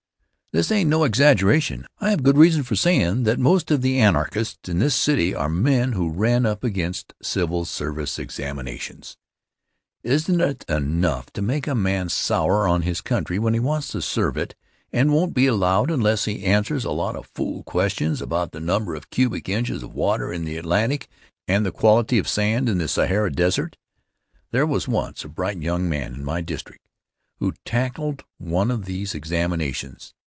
This ain't no exaggeration. I have good reason for sayin' that most of the Anarchists in this city today are men who ran up against civil service examinations. Isn't it enough to make a man sour on his country when he wants to serve it and won't be allowed unless he answers a lot of fool questions about the number of cubic inches of water in the Atlantic and the quality of sand in the Sahara desert? There was once a bright young man in my district who tackled one of these examinations.